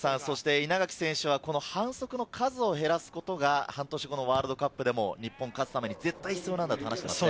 稲垣選手は反則の数を減らすことが半年後のワールドカップでも、日本が勝つために絶対、必要だと話しています。